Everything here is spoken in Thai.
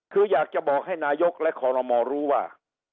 คืออยากจะบอกให้นายกและคอรมอรู้ว่า